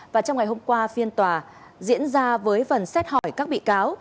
và trong ngày hôm qua phiên tòa diễn ra với phần xét hỏi các bị cáo